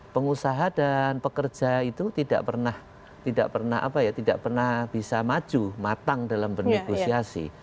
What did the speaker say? pengusaha dan pekerja itu tidak pernah tidak pernah apa ya tidak pernah bisa maju matang dalam bernegosiasi